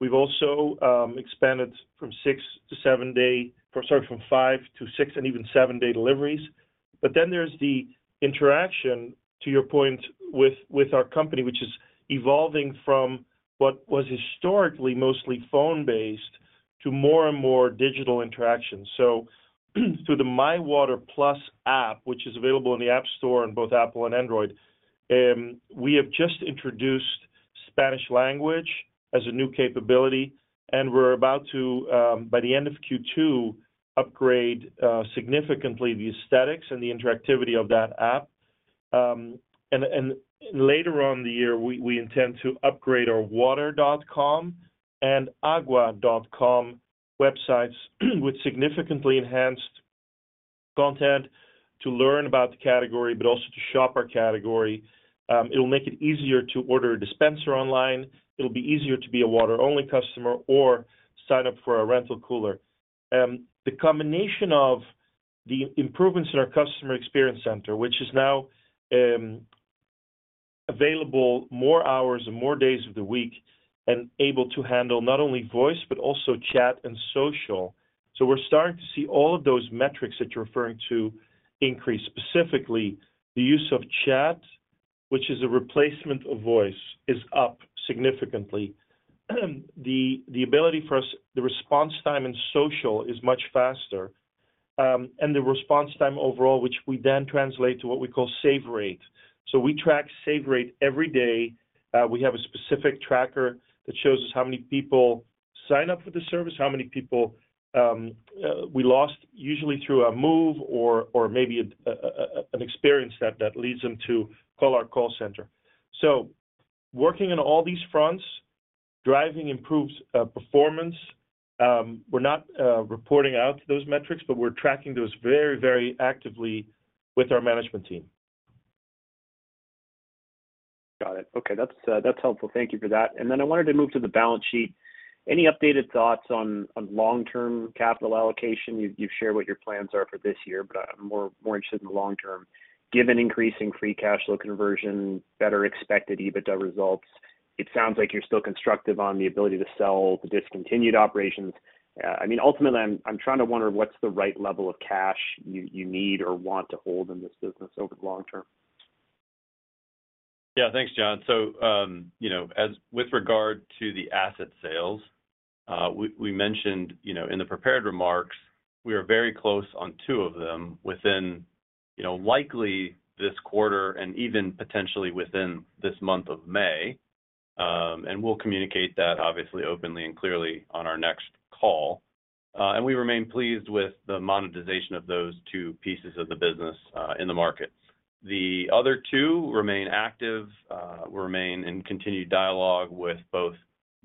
We've also expanded from 6 to 7 day sorry, from 5 to 6 and even 7-day deliveries. But then there's the interaction, to your point, with our company, which is evolving from what was historically mostly phone-based to more and more digital interactions. So through the My Water+ app, which is available in the App Store on both Apple and Android, we have just introduced Spanish language as a new capability. And we're about to, by the end of Q2, upgrade significantly the aesthetics and the interactivity of that app. And later on the year, we intend to upgrade our water.com and agua.com websites with significantly enhanced content to learn about the category, but also to shop our category. It'll make it easier to order a dispenser online. It'll be easier to be a water-only customer or sign up for a rental cooler. The combination of the improvements in our customer experience center, which is now available more hours and more days of the week and able to handle not only voice but also chat and social, so we're starting to see all of those metrics that you're referring to increase. Specifically, the use of chat, which is a replacement of voice, is up significantly. The ability for us the response time in social is much faster. And the response time overall, which we then translate to what we call save rate. So we track save rate every day. We have a specific tracker that shows us how many people sign up for the service, how many people we lost usually through a move or maybe an experience that leads them to call our call center. So, working on all these fronts, driving improved performance, we're not reporting out those metrics, but we're tracking those very, very actively with our management team. Got it. Okay. That's helpful. Thank you for that. And then I wanted to move to the balance sheet. Any updated thoughts on long-term capital allocation? You've shared what your plans are for this year, but I'm more interested in the long term. Given increasing free cash flow conversion, better expected EBITDA results, it sounds like you're still constructive on the ability to sell the discontinued operations. I mean, ultimately, I'm trying to wonder what's the right level of cash you need or want to hold in this business over the long term. Yeah. Thanks, John. With regard to the asset sales, we mentioned in the prepared remarks, we are very close on two of them within likely this quarter and even potentially within this month of May. We'll communicate that, obviously, openly and clearly on our next call. We remain pleased with the monetization of those two pieces of the business in the market. The other two remain active. We remain in continued dialogue with both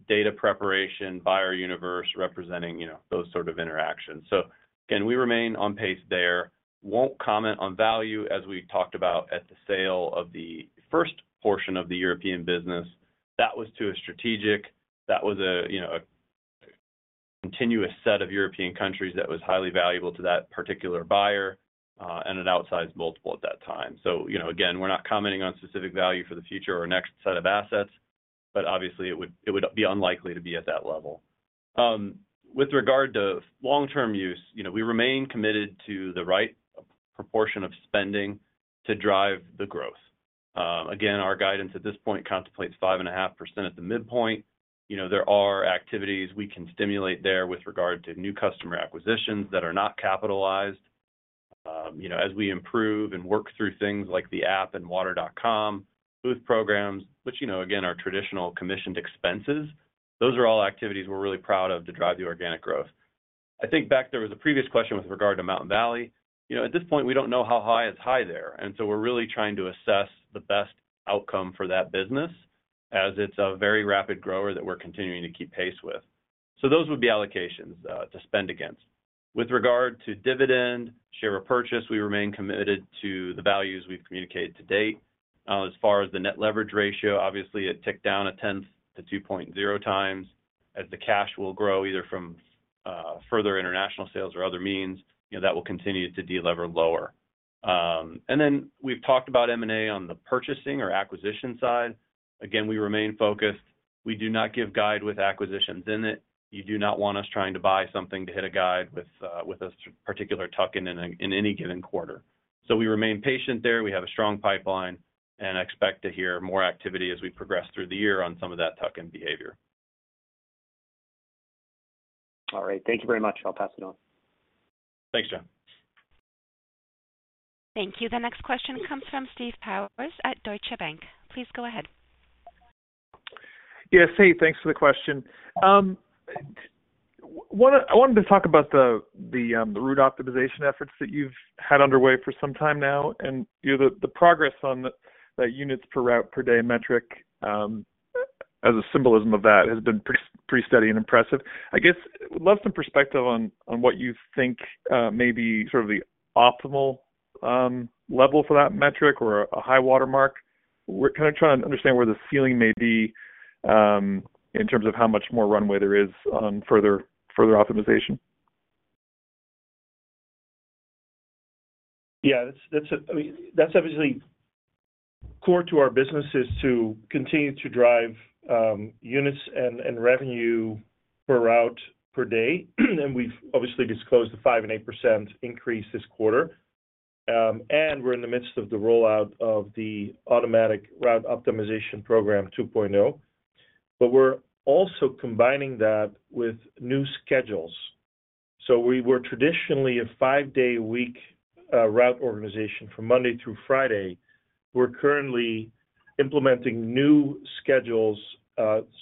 the appropriate buyer universe, representing those sort of interactions. Again, we remain on pace there. Won't comment on value, as we talked about at the sale of the first portion of the European business. That was to strategic. That was a contiguous set of European countries that was highly valuable to that particular buyer and an outsized multiple at that time. So again, we're not commenting on specific value for the future or next set of assets, but obviously, it would be unlikely to be at that level. With regard to long-term use, we remain committed to the right proportion of spending to drive the growth. Again, our guidance at this point contemplates 5.5% at the midpoint. There are activities we can stimulate there with regard to new customer acquisitions that are not capitalized. As we improve and work through things like the app and water.com booth programs, which again are traditional commissioned expenses, those are all activities we're really proud of to drive the organic growth. I think back there was a previous question with regard to Mountain Valley. At this point, we don't know how high is high there. And so we're really trying to assess the best outcome for that business as it's a very rapid grower that we're continuing to keep pace with. So those would be allocations to spend against. With regard to dividend, share repurchase, we remain committed to the values we've communicated to date. As far as the net leverage ratio, obviously, it ticked down a tenth to 2.0 times. As the cash will grow either from further international sales or other means, that will continue to deal ever lower. And then we've talked about M&A on the purchasing or acquisition side. Again, we remain focused. We do not give guide with acquisitions in it. You do not want us trying to buy something to hit a guide with a particular tuck-in in any given quarter. So we remain patient there. We have a strong pipeline. I expect to hear more activity as we progress through the year on some of that tuck-in behavior. All right. Thank you very much. I'll pass it on. Thanks, John. Thank you. The next question comes from Steve Powers at Deutsche Bank. Please go ahead. Yeah. Hey, thanks for the question. I wanted to talk about the route optimization efforts that you've had underway for some time now. And the progress on that units per route per day metric, as a symbol of that, has been pretty steady and impressive. I guess would love some perspective on what you think may be sort of the optimal level for that metric or a high watermark. We're kind of trying to understand where the ceiling may be in terms of how much more runway there is on further optimization. Yeah. I mean, that's obviously core to our business is to continue to drive units and revenue per route per day. And we've obviously disclosed the 5% and 8% increase this quarter. And we're in the midst of the rollout of the Automatic Route Optimization 2.0. But we're also combining that with new schedules. So we were traditionally a five-day a week route organization from Monday through Friday. We're currently implementing new schedules,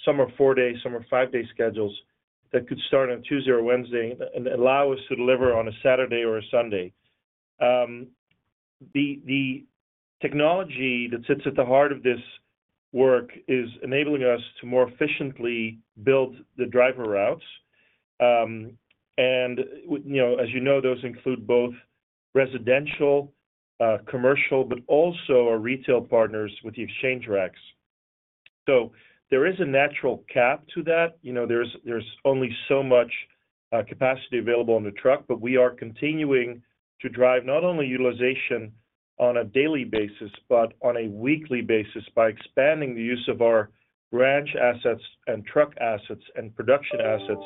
some are four-day, some are five-day schedules, that could start on Tuesday or Wednesday and allow us to deliver on a Saturday or a Sunday. The technology that sits at the heart of this work is enabling us to more efficiently build the driver routes. And as you know, those include both residential, commercial, but also our retail partners with the exchange racks. So there is a natural cap to that. There's only so much capacity available on the truck, but we are continuing to drive not only utilization on a daily basis, but on a weekly basis by expanding the use of our branch assets and truck assets and production assets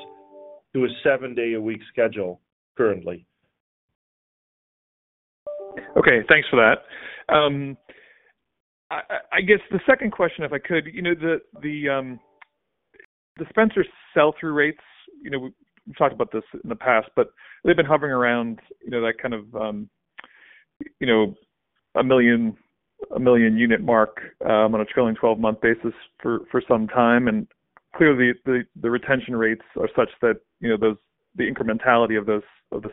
to a seven-day-a-week schedule currently. Okay. Thanks for that. I guess the second question, if I could, the dispenser sell-through rates we've talked about this in the past, but they've been hovering around that kind of a 1 million unit mark on a trailing 12-month basis for some time. And clearly, the retention rates are such that the incrementality of the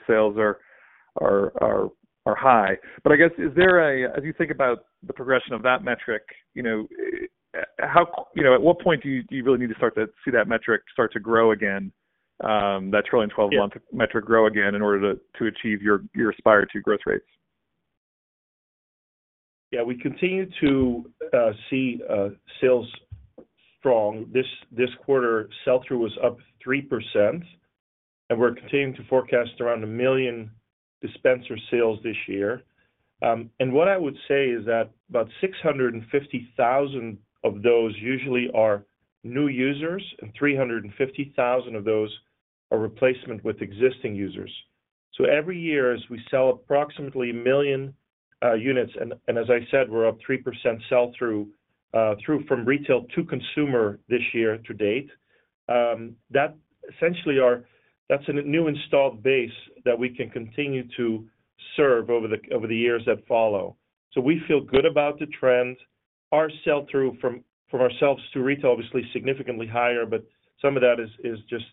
sales are high. But I guess, as you think about the progression of that metric, at what point do you really need to start to see that metric start to grow again, that trailing 12-month metric grow again in order to achieve your aspirational growth rates? Yeah. We continue to see sales strong. This quarter, sell-through was up 3%. And we're continuing to forecast around 1 million dispenser sales this year. And what I would say is that about 650,000 of those usually are new users, and 350,000 of those are replacement with existing users. So every year, as we sell approximately 1 million units, and as I said, we're up 3% sell-through from retail to consumer this year to date, that's a new installed base that we can continue to serve over the years that follow. So we feel good about the trend. Our sell-through from ourselves to retail, obviously, is significantly higher, but some of that is just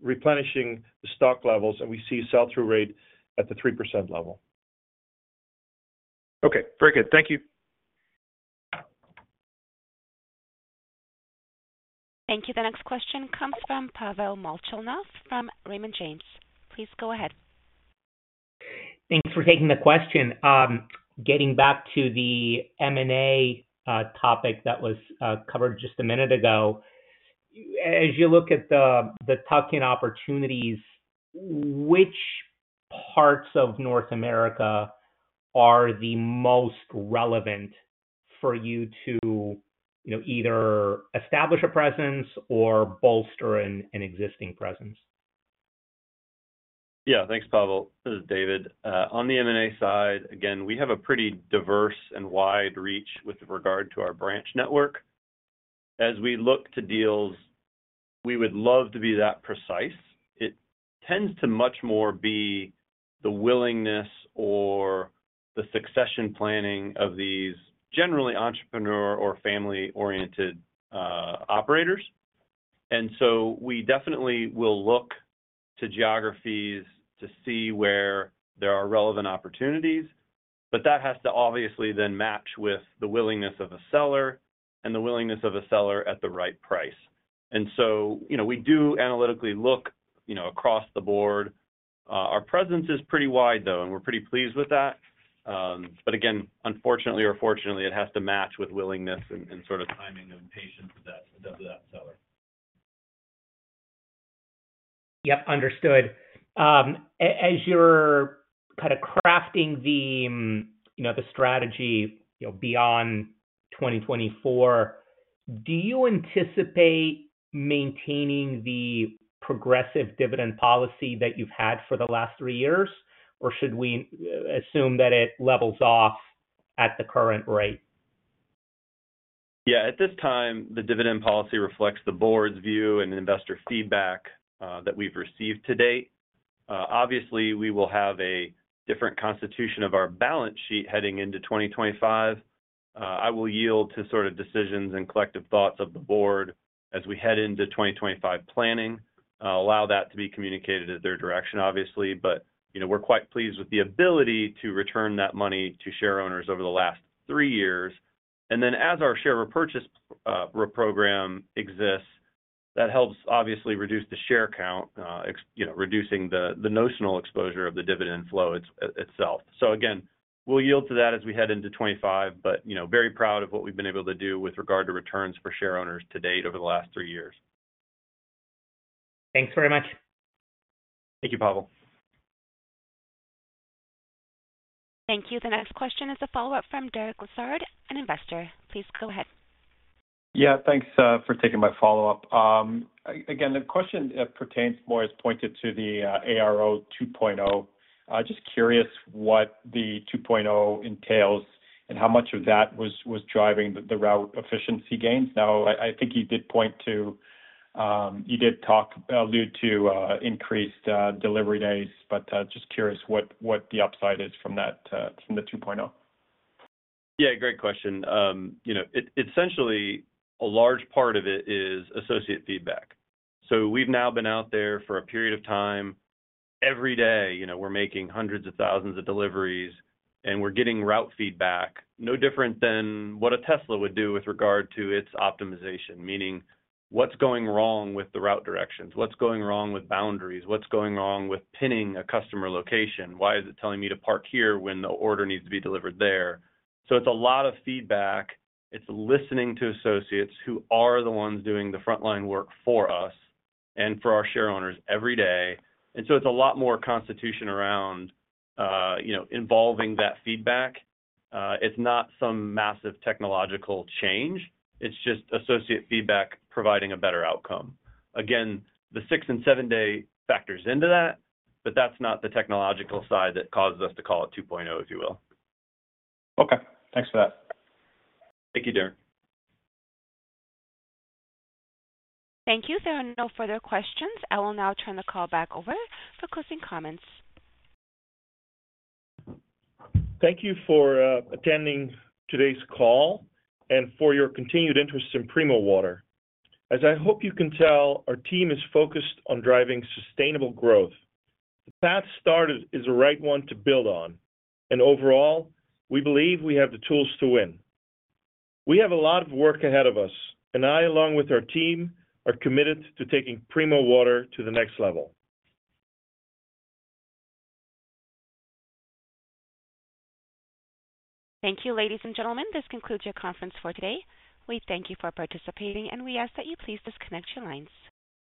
replenishing the stock levels. And we see a sell-through rate at the 3% level. Okay. Very good. Thank you. Thank you. The next question comes from Pavel Molchanov from Raymond James. Please go ahead. Thanks for taking the question. Getting back to the M&A topic that was covered just a minute ago, as you look at the tuck-in opportunities, which parts of North America are the most relevant for you to either establish a presence or bolster an existing presence? Yeah. Thanks, Pavel. This is David. On the M&A side, again, we have a pretty diverse and wide reach with regard to our branch network. As we look to deals, we would love to be that precise. It tends to much more be the willingness or the succession planning of these generally entrepreneur or family-oriented operators. And so we definitely will look to geographies to see where there are relevant opportunities. But that has to obviously then match with the willingness of a seller and the willingness of a seller at the right price. And so we do analytically look across the board. Our presence is pretty wide, though, and we're pretty pleased with that. But again, unfortunately or fortunately, it has to match with willingness and sort of timing and patience of that seller. Yep. Understood. As you're kind of crafting the strategy beyond 2024, do you anticipate maintaining the progressive dividend policy that you've had for the last three years, or should we assume that it levels off at the current rate? Yeah. At this time, the dividend policy reflects the board's view and investor feedback that we've received to date. Obviously, we will have a different constitution of our balance sheet heading into 2025. I will yield to sort of decisions and collective thoughts of the board as we head into 2025 planning, allow that to be communicated at their direction, obviously. But we're quite pleased with the ability to return that money to share owners over the last three years. And then as our share repurchase program exists, that helps, obviously, reduce the share count, reducing the notional exposure of the dividend flow itself. So again, we'll yield to that as we head into 2025, but very proud of what we've been able to do with regard to returns for share owners to-date over the last three years. Thanks very much. Thank you, Pavel. Thank you. The next question is a follow-up from Derek Lessard, an investor. Please go ahead. Yeah. Thanks for taking my follow-up. Again, the question pertains more as pointed to the ARO 2.0. Just curious what the 2.0 entails and how much of that was driving the route efficiency gains. Now, I think you did point to. You did allude to increased delivery days, but just curious what the upside is from the 2.0? Yeah. Great question. Essentially, a large part of it is associate feedback. So we've now been out there for a period of time. Every day, we're making hundreds of thousands of deliveries, and we're getting route feedback no different than what a Tesla would do with regard to its optimization, meaning what's going wrong with the route directions, what's going wrong with boundaries, what's going wrong with pinning a customer location, why is it telling me to park here when the order needs to be delivered there? So it's a lot of feedback. It's listening to associates who are the ones doing the frontline work for us and for our share owners every day. So it's a lot more consultation around involving that feedback. It's not some massive technological change. It's just associate feedback providing a better outcome. Again, the 6- and 7-day factors into that, but that's not the technological side that causes us to call it 2.0, if you will. Okay. Thanks for that. Thank you, Derek. Thank you. There are no further questions. I will now turn the call back over for closing comments. Thank you for attending today's call and for your continued interest in Primo Water. As I hope you can tell, our team is focused on driving sustainable growth. The path started is the right one to build on. Overall, we believe we have the tools to win. We have a lot of work ahead of us, and I, along with our team, are committed to taking Primo Water to the next level. Thank you, ladies and gentlemen. This concludes your conference for today. We thank you for participating, and we ask that you please disconnect your lines.